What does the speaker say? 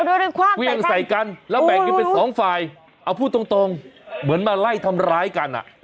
ดูดูความใส่ฟังกูยังใส่กันแล้วแบบนี้เป็นสองฟ่ายเอาพูดตรงเหมือนมาไล่ทำร้ายกันอะ